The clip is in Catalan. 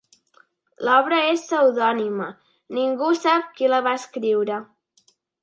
L'obra és pseudònima: ningú sap qui la va escriure.